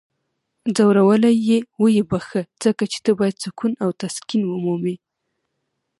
ځورولی یی یې؟ ویې بخښه. ځکه چی ته باید سکون او تسکین ومومې!